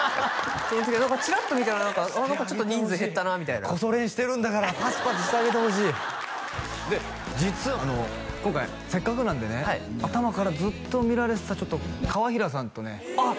ちらっと見たら何かああ何かちょっと人数減ったなみたいなコソ練してるんだからパチパチしてあげてほしいで実はあの今回せっかくなんでね頭からずっと見られてたちょっと川平さんとねあっ！